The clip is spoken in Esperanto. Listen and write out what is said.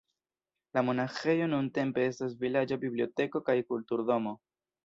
La monaĥejo nuntempe estas vilaĝa biblioteko kaj kulturdomo.